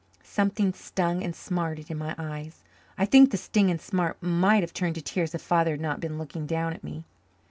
Something stung and smarted in my eyes. I think the sting and smart might have turned to tears if Father had not been looking down at me.